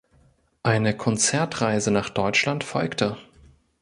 Eine Konzertreise nach Deutschland folgte.